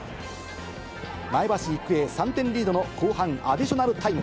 前橋育英３点リードの後半アディショナルタイム。